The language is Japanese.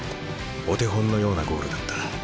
お手本のようなゴールだった。